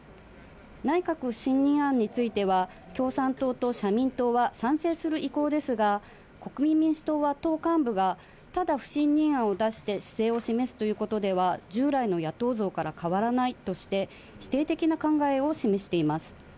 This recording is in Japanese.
内閣不信任案については、共産党と社民党は、賛成する意向ですが、国民民主党は党幹部が、ただ不信任案を出して姿勢を示すということでは、従来の野党像から変わらないとして、否定的な考えを示しています。